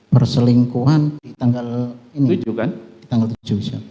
perselingkuhan di tanggal tujuh